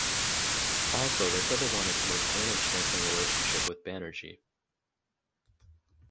Also they said they wanted to maintain and strengthen relationship with Banerjee.